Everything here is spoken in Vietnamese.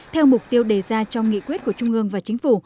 theo mục tiêu đề ra trong nghị quyết của trung ương và chính phủ